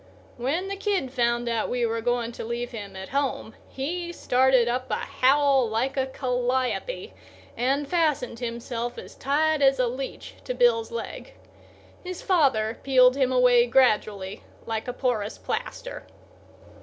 When the kid found out we were going to leave him at home he started up a howl like a calliope and fastened himself as tight as a leech to Bill's leg. His father peeled him away gradually, like a porous plaster.